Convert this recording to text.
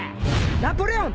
ナポレオン！